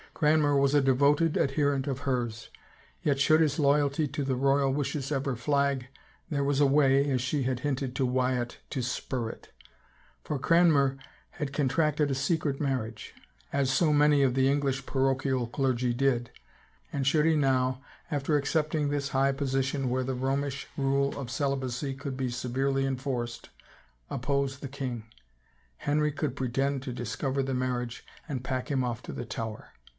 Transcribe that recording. Cranmer was a devoted adherent of hers, yet should his loyalty to the royal wishes ever flag, there was a way, as she had hinted to Wyatt, to spur it. For Cranmer had contracted a secret marriage, as so many of the English parochial clergy did, and should he now, after accepting this high position, where the Romish rule of celibacy could be severely enforced, oppose the king, Henry could pretend to discover the marriage and pack him off to the Tower.